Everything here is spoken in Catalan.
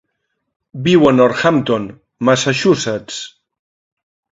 Viu a Northampton (Massachusetts).